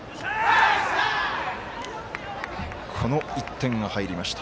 この１点が入りました。